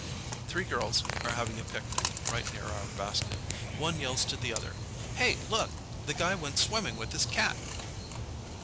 Three girls are having a picnic right near our basket. One yells to the others, "Hey, look! The guy went swimming with his cat!"